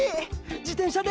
自転車で！！